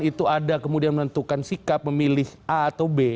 itu ada kemudian menentukan sikap memilih a atau b